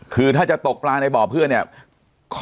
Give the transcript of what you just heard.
คือถ้าจะตกปลาในบ่อเพื่อนเนี่ย